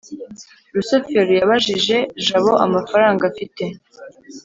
rusufero yabajije jabo amafaranga afite